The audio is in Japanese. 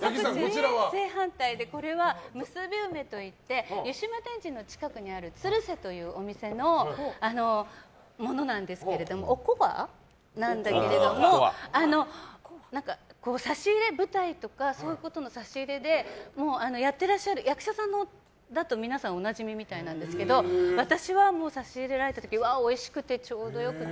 むすび梅といって湯島天神の近くにあるつる瀬というお店のものなんですけどおこわなんですけど、舞台とかそういうことの差し入れでやっていらっしゃる役者さんだと皆さんおなじみみたいなんですけど私は差し入れられた時においしくてちょうどよくて。